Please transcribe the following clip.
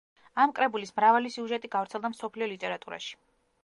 ამ კრებულის მრავალი სიუჟეტი გავრცელდა მსოფლიო ლიტერატურაში.